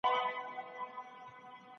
د ولسي جرګي رئيس به د غونډې اجنډا اعلان کړي.